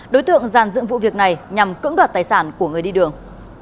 đối tượng giàn dựng vụ việc này nhằm cưỡng đoạt tài sản của người đi đường